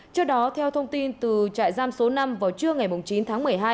trước đó theo thông tin từ trại giam số năm vào trưa ngày chín tháng một mươi hai